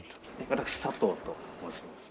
私佐藤と申します。